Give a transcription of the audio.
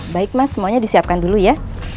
baik mas semuanya disiapkan dulu ya